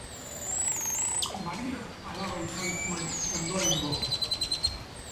Maria alaba izan zuen ondorengo.